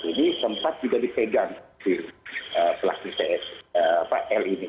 jadi sempat juga dipegang si pelaku l ini